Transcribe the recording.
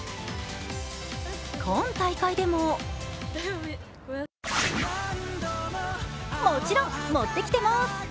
今大会でももちろん持ってきてます。